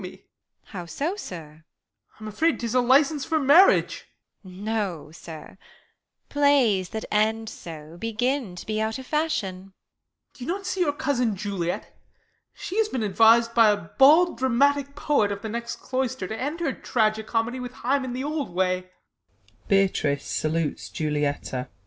Beat. How so, sir 1 Ben. I am afraid 'tis a licence for marriage. Beat. No, sir, plays that end so begin to be 208 THE LAW AGAINST LOVERS. Out of fasliioii. Ben. Do you not see your cousin Juliet ? She has been advis'd by a bald dramatic poet Of the next cloister, to end her tragi comedy With Hymen the old way.